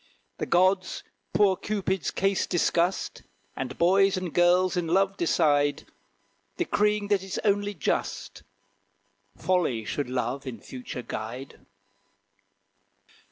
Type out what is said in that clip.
The gods poor Cupid's case discussed, And boys and girls in love decide, Decreeing that it's only just, Folly should Love in future guide.